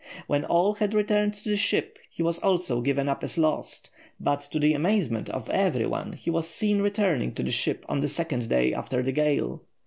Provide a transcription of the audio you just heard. When all had returned to the ship he was also given up as lost, but to the amazement of every one he was seen returning to the ship on the second day after the gale.